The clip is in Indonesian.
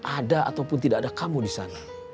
ada atau tidak ada kamu disana